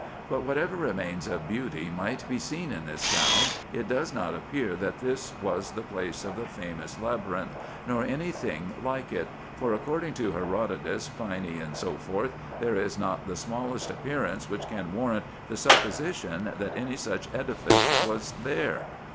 But whatever remains of beauty might be seen in this town, it does not ap pear that this was the place of the famous Labyrinth, nor any thing like it; for, according to Herodotus, Pliny, &c. there is not the smallest appearance which can warrant the supposition 384 RESEARCHES AND OPERxVTIONS that any such edifice was there.